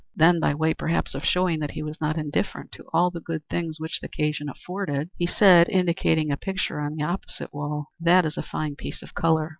Then, by way, perhaps, of showing that he was not indifferent to all the good things which the occasion afforded, he said, indicating a picture on the opposite wall: "That is a fine piece of color."